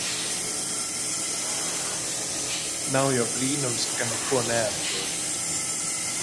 Nav jau brīnums ka neko neatrod.